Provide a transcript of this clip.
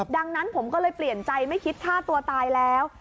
ดังนั้นผมก็เลยเปลี่ยนใจไม่คิดฆ่าตัวตายแล้ว